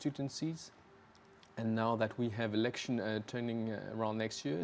bagaimana untuk mempercayai para pemvot